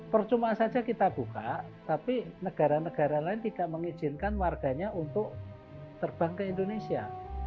percuma saja kita buka tapi negara negara lain tidak mengizinkan warganya untuk terbang ke indonesia